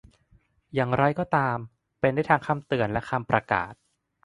อย่างไรก็ตาม เป็นได้ทั้งคำเตือนและคำประกาศ